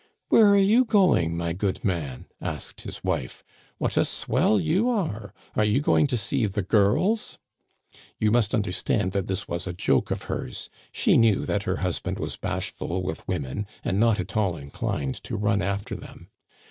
"* Where are you going, my good man ?* asked his wife. *What a swell you are! Are you going to see the girls ?' "You must understand that this was a joke of hers; she knew that her husband was bashful with women, and not at all inclined to run after them.